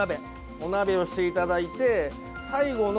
お鍋をしていただいて、最後の。